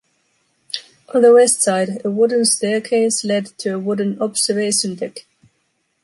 On the west side, a wooden staircase led to a wooden observation deck.